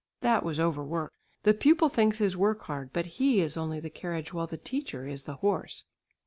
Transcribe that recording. That was over work. The pupil thinks his work hard, but he is only the carriage while the teacher is the horse.